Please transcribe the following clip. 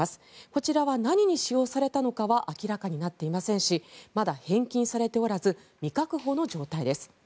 こちらは何に使用されたのかは明らかになっていませんしまだ返金されておらず未確保の状態です。